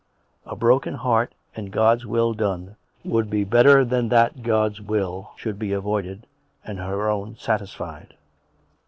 A broken heart and God's will done would be better than that God's will should be avoided and her own satisfied.